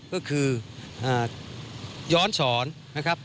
ก็คือย้อนสอนนะครับ